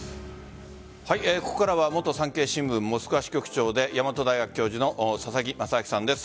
ここからは元産経新聞モスクワ支局長で大和大学教授の佐々木正明さんです。